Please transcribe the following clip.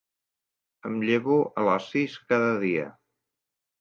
Em llevo a les sis cada dia.